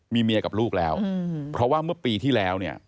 มีเมียกับลูกแล้วเพราะว่าเมื่อปีที่แล้วเนี่ย